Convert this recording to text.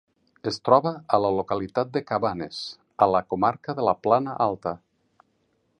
Es troba a la localitat de Cabanes, a la comarca de la Plana Alta.